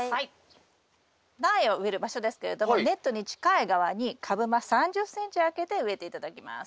苗を植える場所ですけれどもネットに近い側に株間３０ｃｍ空けて植えて頂きます。